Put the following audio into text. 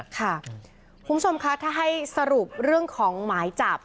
คุณผู้ชมคะถ้าให้สรุปเรื่องของหมายจับ